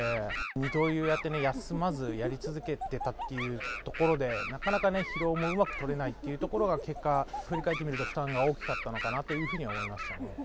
二刀流をやって休まず、やり続けてたっていうところで、なかなかね、疲労もうまくとれないっていうところが、結果、振り返ってみると、負担が大きかったのかなというふうには思いましたね。